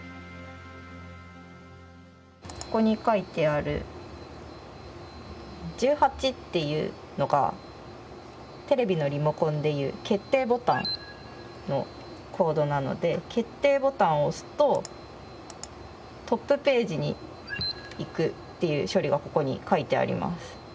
ここに書いてある「１８」っていうのがテレビのリモコンでいう決定ボタンのコードなので決定ボタンを押すとトップページにいくっていう処理がここに書いてあります。